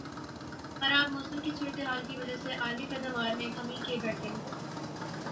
خراب موسم کی صورتحال کی وجہ سے عالمی پیداوار میں کمی کے بڑھتے ہوئے